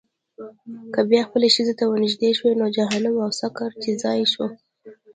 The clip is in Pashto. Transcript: که بیا خپلې ښځې ته ورنېږدې شوې، نو جهنم او سقر دې ځای شو.